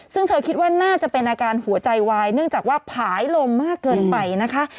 ซึ่งเธอคิดว่าน่าจะเป็นอาการหัวใจวายเนื่องจากว่าผายลมมากเกินไปนะคะ